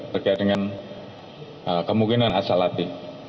berkaitan dengan kemungkinan asal api